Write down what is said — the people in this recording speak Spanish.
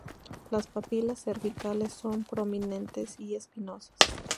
Las papilas cervicales son prominentes y espinosas.